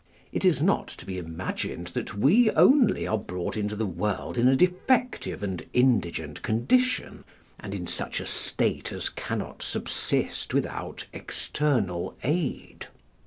W.C.H.] it is not to be imagined that we only are brought into the world in a defective and indigent condition, and in such a state as cannot subsist without external aid.